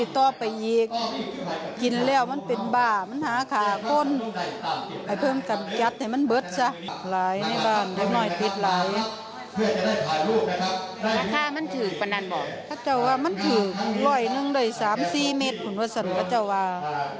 ถ้ามันถือกปันนั้นบอกถ้าเจ้าว่ามันถือกเหล่านึงเลยสามสี่เมตรของวัดสันวัดเจ้าว่า